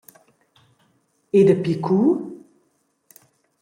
E dapi cu?